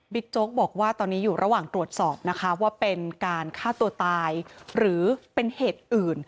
โจ๊กบอกว่าตอนนี้อยู่ระหว่างตรวจสอบนะคะว่าเป็นการฆ่าตัวตายหรือเป็นเหตุอื่น